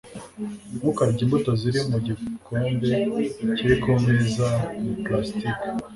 ntukarye imbuto ziri mu gikombe kiri kumeza ni plastiki